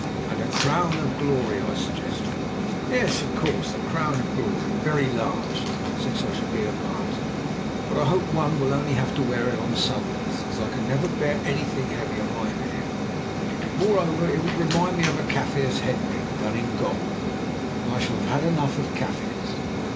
"And a crown of Glory," I suggested. "Yes, of course, a crown of Glory—very large, since I shall be a martyr; but I hope one will only have to wear it on Sundays, as I never could bear anything heavy on my hair; moreover, it would remind me of a Kaffir's head ring done in gold, and I shall have had enough of Kaffirs.